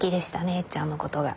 えっちゃんのことが。